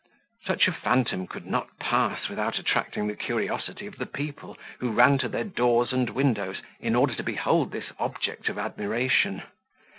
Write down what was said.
Such a phantom could not pass without attracting the curiosity of the people, who ran to their doors and windows, in order to behold this object of admiration.